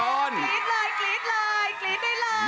กรี๊ดเลยกรี๊ดได้เลย